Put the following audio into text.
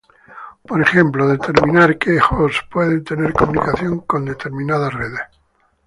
Por ejemplo, determinar que hosts pueden tener comunicación con determinadas redes.